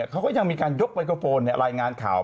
เขาก็ยังมีการยกไมโครโฟนรายงานข่าว